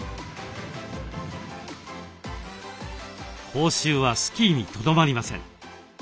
講習はスキーにとどまりません。